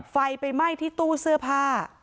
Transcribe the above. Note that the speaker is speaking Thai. ไฟไปไหม้ที่ตู้เสื้อผ้า